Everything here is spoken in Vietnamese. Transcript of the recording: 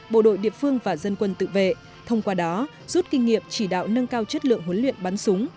bộ đội địa phương và dân quân tự vệ thông qua đó rút kinh nghiệm chỉ đạo nâng cao chất lượng huấn luyện bắn súng